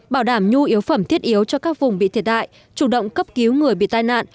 bảo đảm nhu yếu phẩm thiết yếu cho các vùng bị thiệt hại chủ động cấp cứu người bị tai nạn